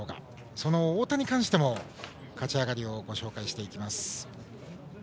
その太田に関しても勝ち上がりをご紹介していきます。